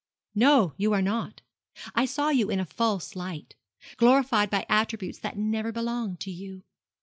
'No, you are not. I saw you in a false light glorified by attributes that never belonged to you.'